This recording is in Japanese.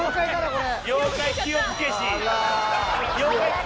これ。